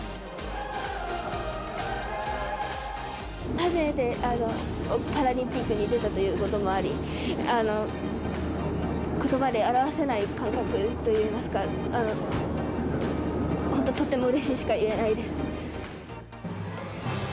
初めてパラリンピックに出たということもあり、ことばで表せない感覚といいますか、本当とってもうれしいしか言えないです。